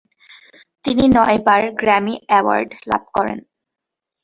তিনি নয়বার Grammy award লাভ করেন।